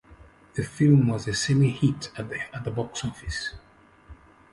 The film was a semi-hit at the box office.